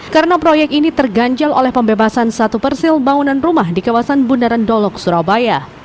karena proyek ini terganjal oleh pembebasan satu persil bangunan rumah di kawasan bundaran dolok surabaya